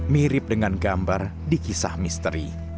mirip dengan gambar di kisah misteri